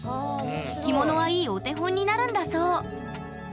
着物はいいお手本になるんだそう。